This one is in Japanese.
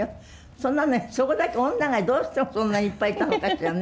それなのにそこだけ女がどうしてそんなにいっぱいいたのかしらね。